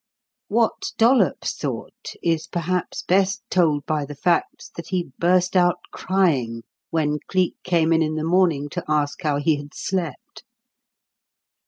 What Dollops thought is, perhaps, best told by the fact that he burst out crying when Cleek came in in the morning to ask how he had slept.